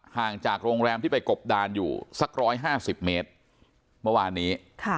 ห่างจากโรงแรมที่ไปกบดานอยู่สัก๑๕๐เมตรเมื่อวานนี้